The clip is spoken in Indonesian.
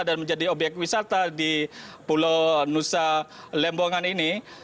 dan menjadi obyek wisata di pulau nusa lembongan ini